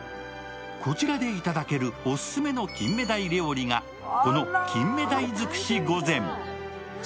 こちらでいただけるオススメの金目鯛料理が、この金目鯛づくし御前。